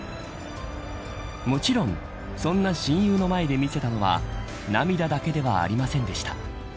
もちろんそんな親友の前で見せたのは涙だけではありませんでした。